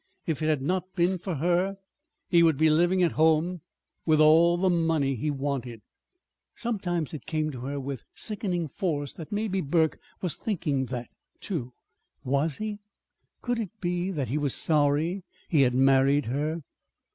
If it had not been for her, he would be living at home with all the money he wanted. Sometimes it came to her with sickening force that maybe Burke was thinking that, too. Was he? Could it be that he was sorry he had married her?